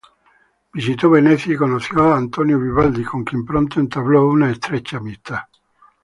Visitó Venecia y conoció a Antonio Vivaldi con quien pronto entabló una estrecha amistad.